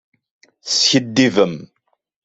Teskiddibem.